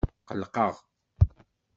Ɣelqeɣ.